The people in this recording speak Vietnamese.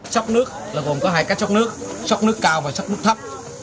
sốc nước là gồm có hai cách sốc nước sốc nước cao và sốc nước thấp